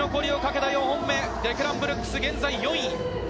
生き残りをかけた４本目、デクラン・ブルックス、現在４位。